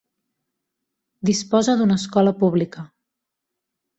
Disposa d'una escola pública.